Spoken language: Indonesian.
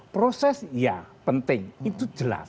proses ya penting itu jelas